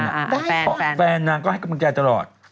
ได้ค่ะแฟนแฟนนางก็ให้กำลังแก่ตลอด